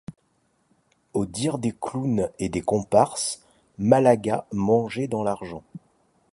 Au dire des clowns et des comparses, Malaga mangeait dans l’argent.